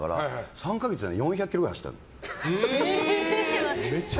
３か月で４００ｋｍくらい走ったの。